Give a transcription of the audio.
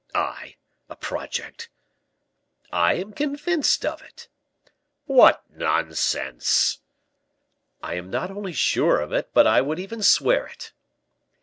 "I a project?" "I am convinced of it." "What nonsense!" "I am not only sure of it, but I would even swear it."